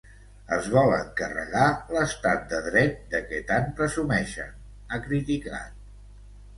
Es volen carregar l’estat de dret de què tant presumeixen, ha criticat.